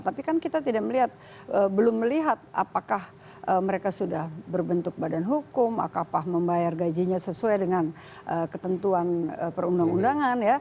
tapi kan kita belum melihat apakah mereka sudah berbentuk badan hukum apakah membayar gajinya sesuai dengan ketentuan perundang undangan